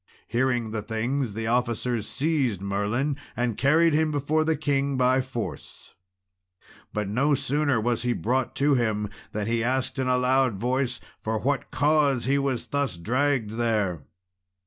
Hearing the things, the officers seized Merlin, and carried him before the king by force. But no sooner was he brought to him than he asked in a loud voice, for what cause he was thus dragged there?